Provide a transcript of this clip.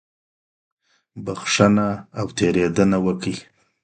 بښنه او تېرېدنه وکړئ.